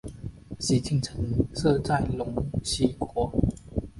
西晋曾设过陇西国。